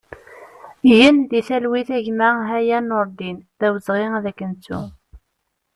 Gen di talwit a gma Haya Nureddin, d awezɣi ad k-nettu!